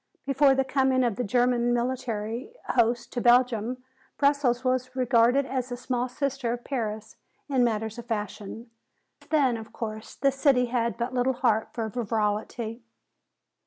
Before the coming of the German military hosts to Belgium, Brussels was regarded as the small sister of Paris in matters of fashion. Since then, of course, the city had but little heart for frivolity.